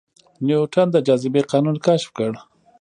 نیوټن د جاذبې قانون کشف کړ